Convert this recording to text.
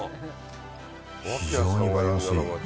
非常にバランスいい。